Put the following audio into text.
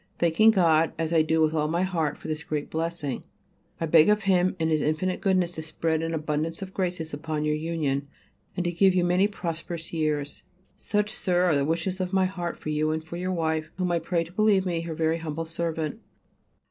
Thanking God, as I do with all my heart, for this great blessing, I beg of Him in His infinite goodness to spread an abundance of graces upon your union and to give you many prosperous years. Such, Sir, are the wishes of my heart for you and for your wife, whom I pray to believe me to be her very humble servant.